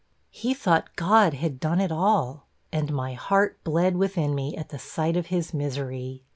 He thought God had done it all and my heart bled within me at the sight of his misery.